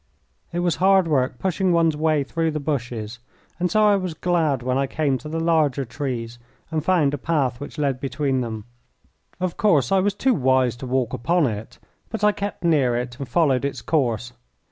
It was hard work pushing one's way through the bushes, and so I was glad when I came to the larger trees and found a path which led between them. Of course, I was too wise to walk upon it, but I kept near it and followed its course.